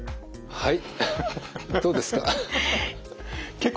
はい。